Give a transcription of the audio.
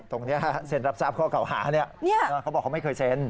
ตรงนี้เซ็นรับทราบข้อกล่าวหาเขาบอกว่าไม่เคยเซ็น